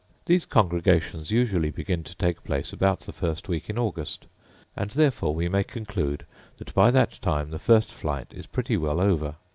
These congregations usually begin to take place about the first week in August; and therefore we may conclude that by that time the first flight is pretty well over.